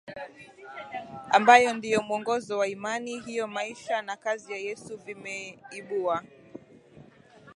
ambayo ndiyo mwongozo wa imani hiyo Maisha na kazi ya Yesu vimeibua